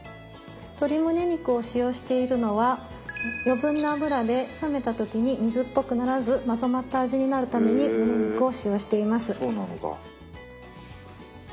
鶏むね肉を使用しているのは余分な脂で冷めた時に水っぽくならずまとまった味になるためにむね肉を使用しています。